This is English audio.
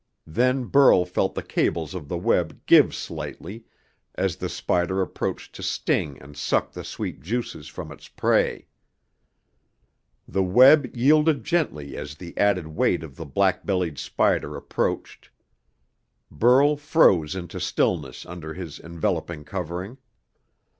Then Burl felt the cables of the web give slightly, as the spider approached to sting and suck the sweet juices from its prey. The web yielded gently as the added weight of the black bellied spider approached. Burl froze into stillness under his enveloping covering.